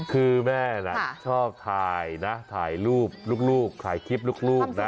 คือแม่ชอบถ่ายรูปรูปคลิปรูปนะ